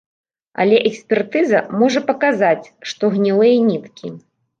Але экспертыза можа паказаць, што гнілыя ніткі.